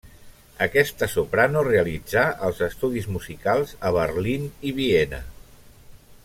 Aquesta soprano realitzà els estudis musicals a Berlín i Viena.